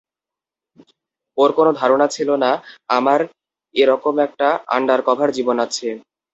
ওর কোনো ধারণা ছিল না আমার এরকম একটা আন্ডারকভার জীবন আছে।